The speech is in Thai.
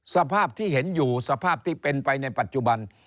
สภาพที่เห็นอยู่สภาพที่เป็นไปในปัจจุบัน